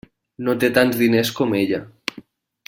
No té tants diners com ella.